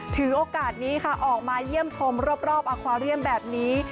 ถือโอกาสนี้ค่ะออกมาเยี่ยมชมรอบอาคาเรียมแบบนี้